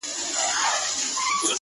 بې حیا یم- بې شرفه په وطن کي-